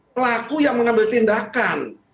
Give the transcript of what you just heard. pelaku yang mengambil tindakan